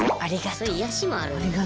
そういう癒やしもあるので。